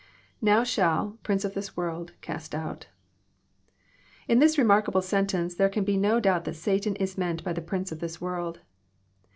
'* INbw sJuill,,. prince of this world., .cast out.'] In this remark able sentence there can be no doubt that Satan is meant by the prince of this world."